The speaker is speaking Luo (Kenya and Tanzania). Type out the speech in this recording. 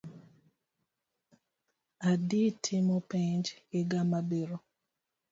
Adii timo penj iga mabiro.